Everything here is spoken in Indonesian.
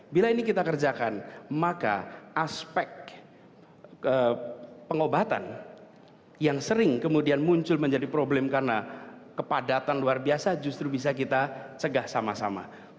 bila ini kita kerjakan maka aspek pengobatan yang sering kemudian muncul menjadi problem karena kepadatan luar biasa justru bisa kita cegah sama sama